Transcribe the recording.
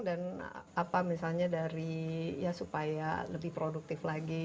dan apa misalnya dari ya supaya lebih produktif lagi